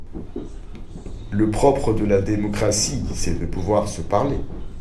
Le propre de la démocratie, c’est de pouvoir se parler.